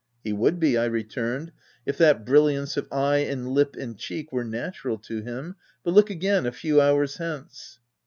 " He would be/' I returned, "if that bril liance of eye, and lip, and cheek were natural to him ; but look again, a few hours hence."